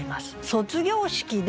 「卒業式で」